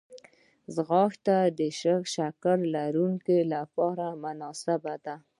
ځغاسته د شکر لرونکو لپاره مهمه ده